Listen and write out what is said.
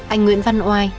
anh nguyễn văn oai